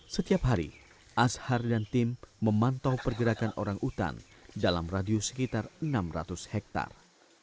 setiap hari ashar dan tim memantau pergerakan orang utan dalam radius sekitar enam ratus hektare